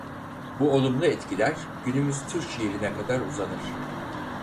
Bu olumlu etkiler günümüz Türk şiirine kadar uzanır.